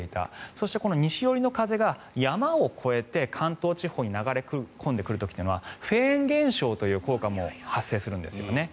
そして、西寄りの風が山を越えて関東地方に流れ込んでくる時というのはフェーン現象という効果も発生するんですね。